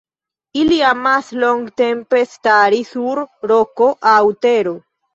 Ili emas longtempe stari sur roko aŭ tero.